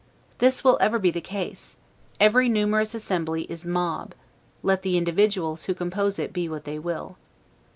This will ever be the case; every numerous assembly is MOB, let the individuals who compose it be what they will.